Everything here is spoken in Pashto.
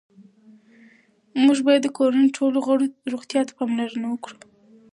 موږ باید د کورنۍ ټولو غړو روغتیا ته پاملرنه وکړو